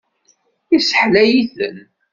Isseḥlay-iten.